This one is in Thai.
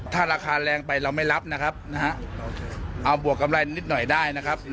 ถ้าราคาแรงไปเราไม่รับนะครับเอาบวกกำไรนิดหน่อยได้นะครับ